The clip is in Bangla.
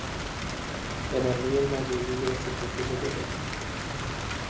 এবার মেয়ের মাঝেই নিজের অস্তিত্ব খুঁজে পেলে।